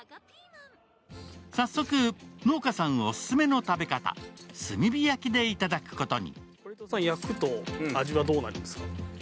早速、農家さんオススメの食べ方、炭火焼きでいただくことに。